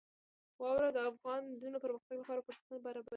واوره د افغان نجونو د پرمختګ لپاره فرصتونه برابروي.